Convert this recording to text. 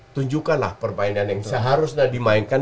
tunjukkan lah perbaikan yang seharusnya dimainkan